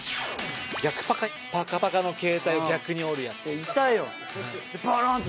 パカパカの携帯を逆に折るヤツ。